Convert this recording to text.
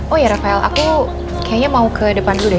oh ya rafael aku kayaknya mau ke depan dulu deh